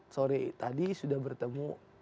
sore tadi sudah bertemu